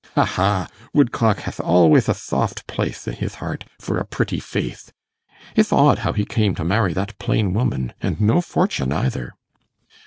'Ha, ha! Woodcock hath alwayth a thoft place in hith heart for a pretty fathe. It'th odd how he came to marry that plain woman, and no fortune either.